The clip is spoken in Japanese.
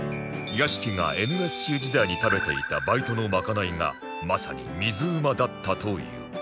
屋敷が ＮＳＣ 時代に食べていたバイトのまかないがまさに水うまだったという